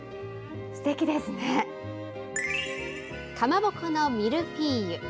かまぼこのミルフィーユ。